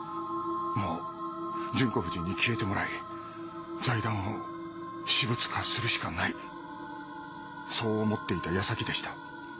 もう純子夫人に消えてもらい財団を私物化するしかないそう思っていたやさきでした。